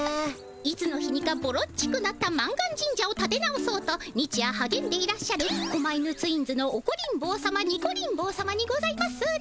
いつの日にかボロっちくなった満願神社をたて直そうと日夜はげんでいらっしゃる狛犬ツインズのオコリン坊さまニコリン坊さまにございますね。